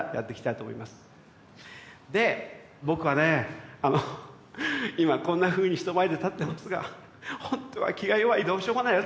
で僕はねぇあの今はこんなふうに人前で立ってますが本当は気が弱いどうしようもないやつなんです。